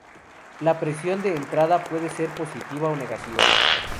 La presión de entrada puede ser positiva o negativa.